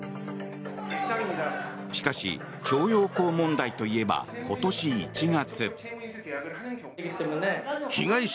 しかし、徴用工問題といえば今年１月。